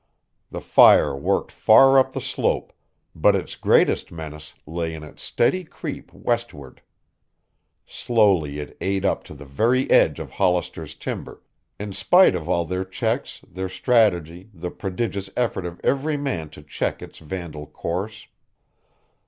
The fire worked far up the slope, but its greatest menace lay in its steady creep westward. Slowly it ate up to the very edge of Hollister's timber, in spite of all their checks, their strategy, the prodigious effort of every man to check its vandal course.